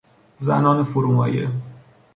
زنان فرومایه